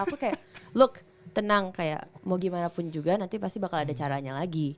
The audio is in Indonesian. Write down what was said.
aku kayak look tenang kayak mau gimana pun juga nanti pasti bakal ada caranya lagi